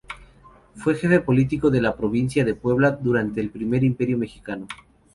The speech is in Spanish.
Fue jefe político de la Provincia de Puebla durante el Primer Imperio Mexicano.